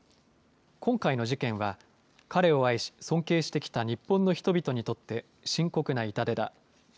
今回の事件は、彼を愛し、尊敬してきた日本の人々にとって深刻な痛手だ。